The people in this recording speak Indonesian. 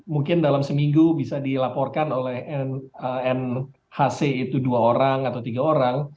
mungkin dalam seminggu bisa dilaporkan oleh nhc itu dua orang atau tiga orang